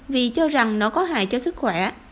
vì cho rằng nó có hại cho sức khỏe